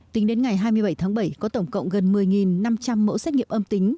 tính đến ngày hai mươi bảy tháng bảy có tổng cộng gần một mươi năm trăm linh mẫu xét nghiệm âm tính